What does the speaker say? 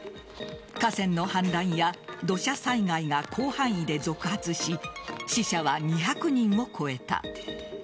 河川の氾濫や土砂災害が広範囲で続発し死者は２００人を超えた。